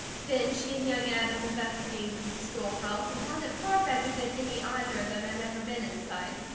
Then she and young Adam investigated the schoolhouse and found it far better than any either of them had ever been inside.